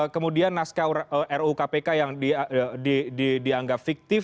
kemudian naskah ru kpk yang dianggap fiktif